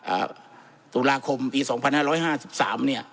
อ่าตุลาคมปีสองพันห้าร้อยห้าสิบสามเนี้ย